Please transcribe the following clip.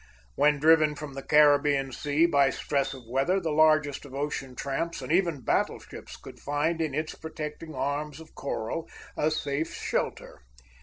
When driven from the Caribbean Sea by stress of weather, the largest of ocean tramps, and even battle ships, could find in its protecting arms of coral a safe shelter.